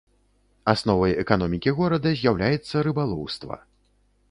Асновай эканомікі горада з'яўляецца рыбалоўства.